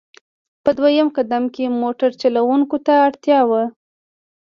په دویم قدم کې موټر چلوونکو ته اړتیا وه.